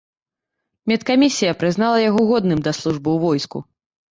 Медкамісія прызнала яго годным да службы ў войску.